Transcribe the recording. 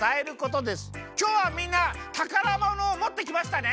きょうはみんなたからものをもってきましたね？